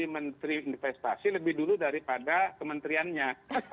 menteri investasi lebih dulu daripada kementeriannya